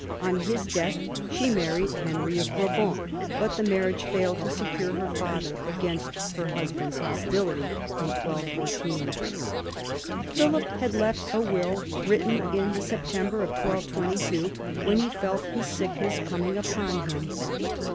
On his death she married Henry of Brabant, but the marriage failed to secure her father against her husband's hostility in 1214. Philip had left a will, written in the September of 1222, when he felt his sickness coming upon him.